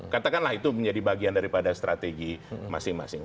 katakanlah itu menjadi bagian daripada strategi masing masing